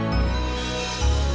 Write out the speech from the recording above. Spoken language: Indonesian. aku sudah tahu